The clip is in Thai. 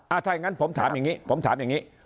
ถ้าอย่างนั้นผมถามอย่างนี้ผมถามอย่างนี้